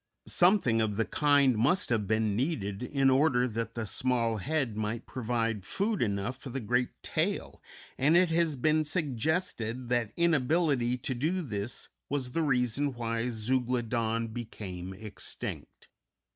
Something of the kind must have been needed in order that the small head might provide food enough for the great tail, and it has been suggested that inability to do this was the reason why Zeuglodon became extinct.